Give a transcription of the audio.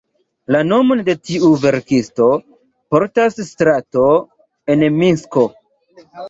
La nomon de tiu verkisto portas strato en Minsko.